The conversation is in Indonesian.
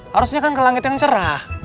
harusnya kan ke langit yang cerah